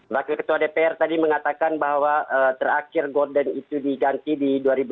wakil ketua dpr tadi mengatakan bahwa terakhir gorden itu diganti di dua ribu dua puluh